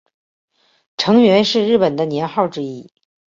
承元是日本的年号之一。